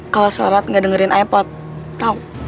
kalau sorot gak dengerin ipod jahat